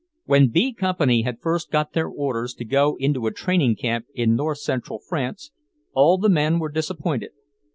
When B Company had first got their orders to go into a training camp in north central France, all the men were disappointed.